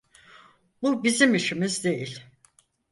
Bu bizim işimiz değil.